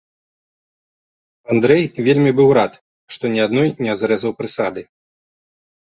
Андрэй вельмі быў рад, што ні адной не зрэзаў прысады.